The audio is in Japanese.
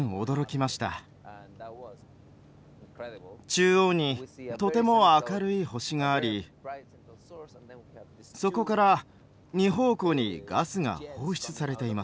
中央にとても明るい星がありそこから２方向にガスが放出されています。